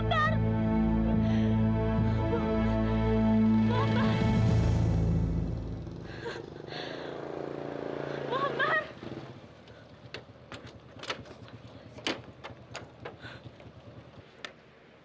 kamu instagram mweet